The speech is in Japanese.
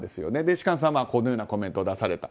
芝翫さんはこのようなコメントを出された。